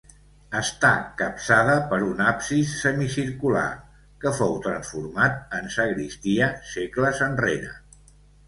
Està capçada per un absis semicircular, que fou transformat en sagristia segles enrere.